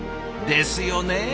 ですよね